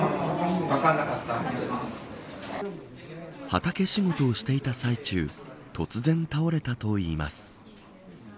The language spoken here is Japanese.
畑仕事をしていた際中突然倒れたといいます。